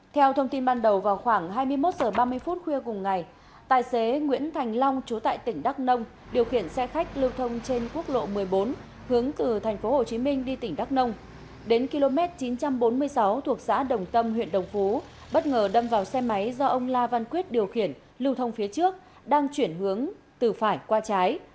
theo thông tin ban đầu vào khoảng hai mươi một h ba mươi khuya cùng ngày tài xế nguyễn thành long chú tại tỉnh đắk nông điều khiển xe khách lưu thông trên quốc lộ một mươi bốn hướng từ tp hcm đi tỉnh đắk nông đến km chín trăm bốn mươi sáu thuộc xã đồng tâm huyện đồng phú bất ngờ đâm vào xe máy do ông la văn quyết điều khiển lưu thông phía trước đang chuyển hướng từ phải qua trái